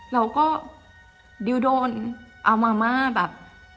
เราก็ดิวโดนเอามาม่าแบบ